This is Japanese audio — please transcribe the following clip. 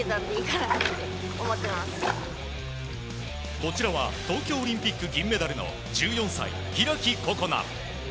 こちらは、東京オリンピック銀メダルの１４歳、開心那。